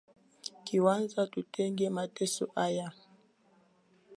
Iweje tuteswe mateso haya